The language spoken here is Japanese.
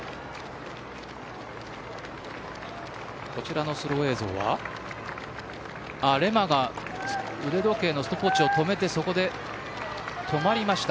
こちらのスロー映像はレマがストップウオッチを止めて止まりました。